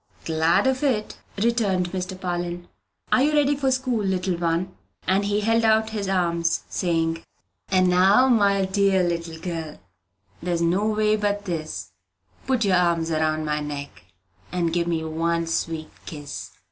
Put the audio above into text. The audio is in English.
"Glad of it," returned Mr. Parlin. "Are you ready for school, little one?" And he held out his arms, saying, "And now, my own dear little girl, There is no way but this Put your arms about my neck, And give me one sweet kiss."